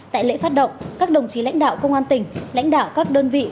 tại lễ phát động các đồng chí lãnh đạo công an tỉnh lãnh đạo các đơn vị